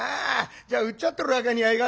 じゃうっちゃってるわけにはいかねえや。